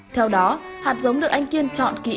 theo đó hạt giống được anh kiên chọn kỹ